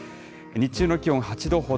日中の気温８度ほど。